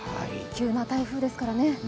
急な台風ですからね。